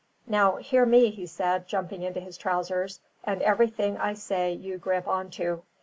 "Now hear me," he said, jumping into his trousers, "and everything I say you grip on to.